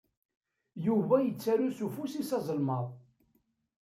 Yuba yettaru s ufus-is azelmaḍ.